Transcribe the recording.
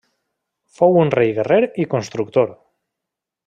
Fou un rei guerrer i constructor.